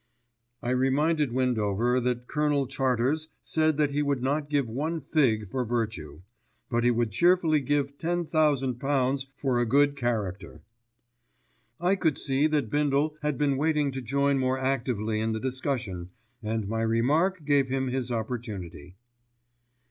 I reminded Windover that Colonel Charters said that he would not give one fig for virtue, but he would cheerfully give £10,000 for a good character. I could see that Bindle had been waiting to join more actively in the discussion, and my remark gave him his opportunity.